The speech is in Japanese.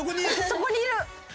そこにいる！